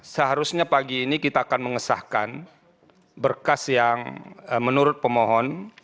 seharusnya pagi ini kita akan mengesahkan berkas yang menurut pemohon